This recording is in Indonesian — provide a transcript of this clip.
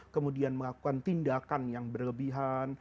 kemudian melakukan tindakan yang berlebihan